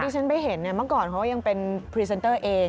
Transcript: ดิฉันไปเห็นมาก่อนเขายังเป็นพรีเซนเตอร์เอง